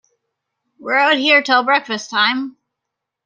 We're out here till breakfast-time.